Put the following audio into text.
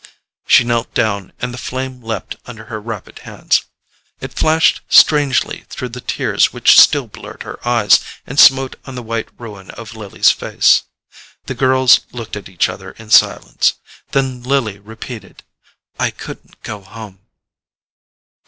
She knelt down, and the flame leapt under her rapid hands. It flashed strangely through the tears which still blurred her eyes, and smote on the white ruin of Lily's face. The girls looked at each other in silence; then Lily repeated: "I couldn't go home."